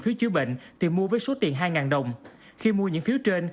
phiếu chữa bệnh thì mua với số tiền hai đồng khi mua những phiếu trên